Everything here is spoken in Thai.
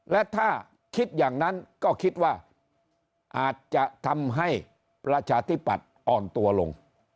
และถ้าคิดอย่างนั้นก็คิดว่าอาจจะทำให้ประชาธิปัตย์อ่อนตัวลง